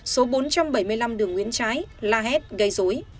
số bốn trăm bảy mươi năm đường nguyễn trái la hét gây dối